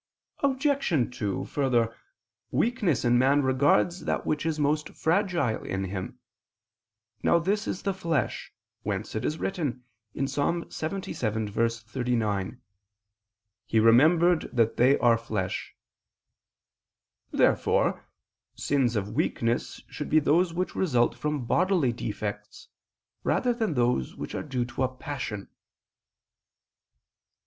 Obj. 2: Further, weakness in man regards that which is most fragile in him. Now this is the flesh; whence it is written (Ps. 77:39): "He remembered that they are flesh." Therefore sins of weakness should be those which result from bodily defects, rather than those which are due to a passion.